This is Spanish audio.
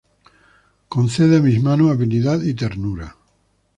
Concede a mis manos habilidad y ternura.